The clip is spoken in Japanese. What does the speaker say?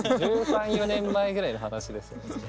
１３１４年前ぐらいの話ですよ。